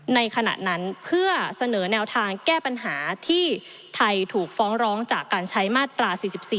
ในขณะนั้นเพื่อเสนอแนวทางแก้ปัญหาที่ไทยถูกฟ้องร้องจากการใช้มาตรา๔๔